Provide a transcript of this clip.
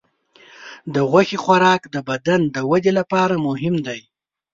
د غوښې خوراک د بدن د وده لپاره مهم دی.